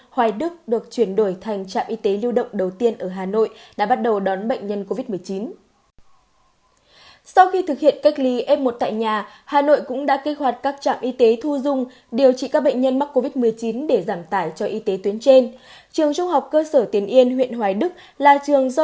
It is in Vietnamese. hãy đăng ký kênh để ủng hộ kênh của chúng mình nhé